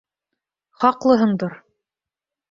Хаҡлыһыңдыр.